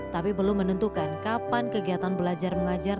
tapi belum menentukan kapan kegiatan belajar mengajar